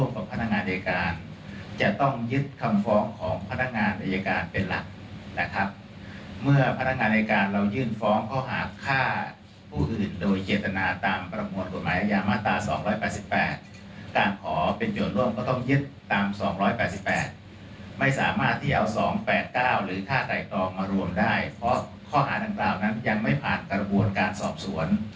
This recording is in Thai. ก็คือผจญหน้าจริงคือค่าไจกรองมารวมได้เพราะข้ออาทางกล่าวงั้นยังไม่ผ่านกระบวนการสอบสวน